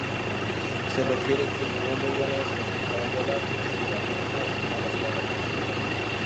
Refiere que tenía muy buena caballada, porque era afecto a las carreras.